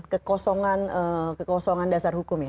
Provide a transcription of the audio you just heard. kekosongan dasar hukum ya